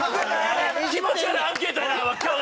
気持ち悪いアンケートやな訳わからん！